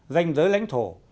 danh giới lãnh thổ